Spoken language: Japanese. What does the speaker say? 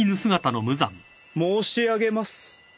申し上げます。